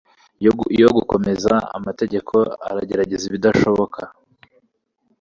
yo gukomeza amategeko aragerageza ibidashoboka.